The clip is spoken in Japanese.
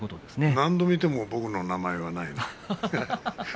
何度見ても僕の名前がないな。